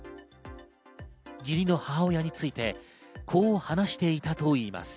義理の母親について、こう話していたといいます。